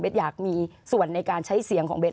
อยากมีส่วนในการใช้เสียงของเบส